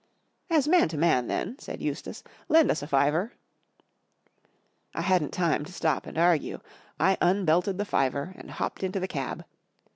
" As man to man, then," said Eustace, " lend 11 s a fiver." I hadn't time to stop and argue. I un¬ belted the fiver and hopped into the cab.